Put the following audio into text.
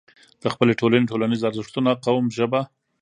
د خپلې ټولنې، ټولنيز ارزښتونه، قوم، ژبه